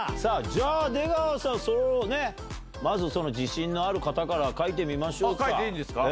じゃあ出川さんまず自信のある方から書いてみましょうか。